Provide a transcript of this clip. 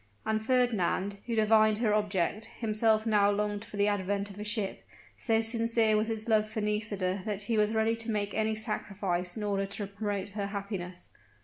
And Fernand, who divined her object, himself now longed for the advent of a ship; so sincere was his love for Nisida that he was ready to make any sacrifice in order to promote her happiness.